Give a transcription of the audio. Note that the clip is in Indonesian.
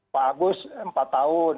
pak agus empat tahun